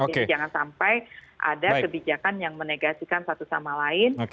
jadi jangan sampai ada kebijakan yang menegasikan satu sama lain